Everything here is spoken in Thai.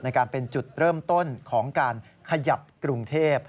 การเป็นจุดเริ่มต้นของการขยับกรุงเทพ